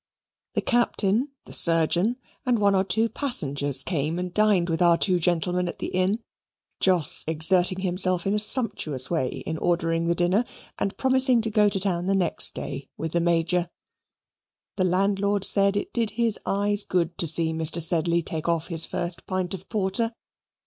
The Captain, the surgeon, and one or two passengers came and dined with our two gentlemen at the inn, Jos exerting himself in a sumptuous way in ordering the dinner and promising to go to town the next day with the Major. The landlord said it did his eyes good to see Mr. Sedley take off his first pint of porter.